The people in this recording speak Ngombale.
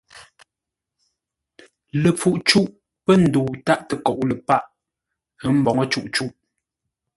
Ləpfuʼ cûʼ pə́ ndəu tâʼ təkoʼ ləpâʼ, ə́ mboŋə́ cûʼ cûʼ.